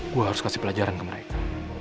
gue harus kasih pelajaran ke mereka